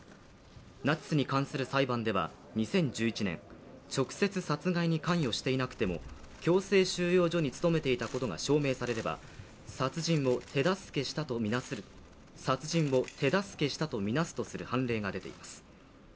ナチスに関する裁判では２０１１年直接殺害に関与していなくても強制収容所に務めていたことが証明されれば殺人を手助けしたとみなすとする判例が出ています。